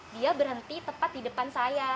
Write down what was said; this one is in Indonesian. dia berhenti tepat di depan saya